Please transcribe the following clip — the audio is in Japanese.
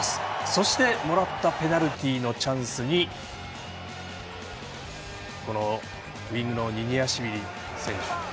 そして、もらったペナルティのチャンスにウイングのニニアシビリ選手。